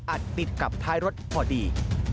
ติดกับท้ายรถพอดี